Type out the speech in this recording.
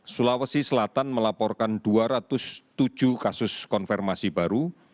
sulawesi selatan melaporkan dua ratus tujuh kasus konfirmasi baru